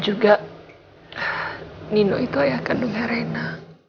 juga nino itu ayah kandungnya rena